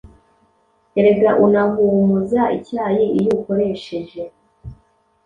erega unahumuza icyayi iyo uwukoresheje